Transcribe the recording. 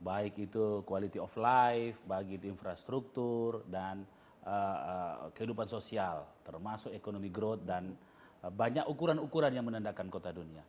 baik itu quality of life baik itu infrastruktur dan kehidupan sosial termasuk ekonomi growth dan banyak ukuran ukuran yang menandakan kota dunia